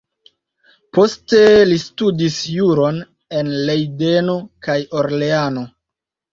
Poste li studis juron en Lejdeno kaj Orleano.